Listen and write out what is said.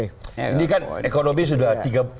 ini kan ekonomi sudah